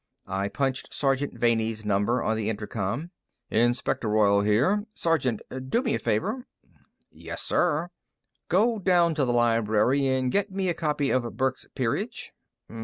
I punched Sergeant Vanney's number on the intercom. "Inspector Royall here, Sergeant. Do me a favor." "Yes, sir." "Go down to the library and get me a copy of Burke's 'Peerage.'"